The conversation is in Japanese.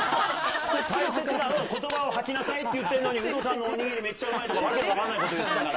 大切なことばを吐きなさいって言ってんのに、有働さんのお握りめっちゃうまいとか、わけの分かんないこと言ったから。